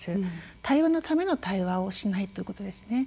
対話のための対話をしないということですね。